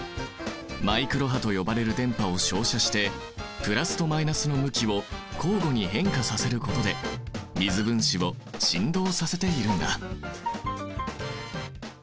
マイクロ波と呼ばれる電波を照射してプラスとマイナスの向きを交互に変化させることで水分子を振動させているんだ。